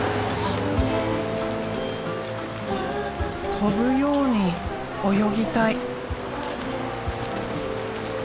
飛ぶように泳ぎたい。